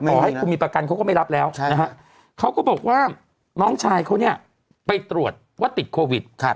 ขอให้คุณมีประกันเขาก็ไม่รับแล้วนะฮะเขาก็บอกว่าน้องชายเขาเนี่ยไปตรวจว่าติดโควิด